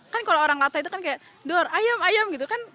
kan kalau orang latah itu kan kayak dor ayam ayam gitu kan